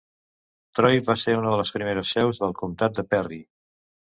Troy va ser una de les primeres seus del comtat de Perry.